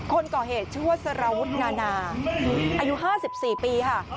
คนก่อเหตุชื่อว่าสารวุฒินานาอายุห้าสิบสี่ปีค่ะ